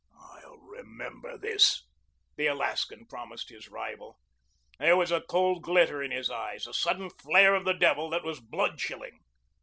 "I'll remember this," the Alaskan promised his rival. There was a cold glitter in his eyes, a sudden flare of the devil that was blood chilling.